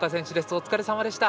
お疲れさまでした。